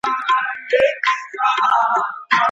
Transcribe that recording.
علمي سیمینار پرته له پلانه نه پراخیږي.